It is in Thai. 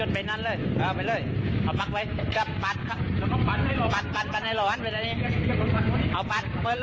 ปัดเลยนะ